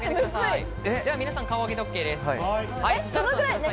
皆さん、顔をあげてＯＫです。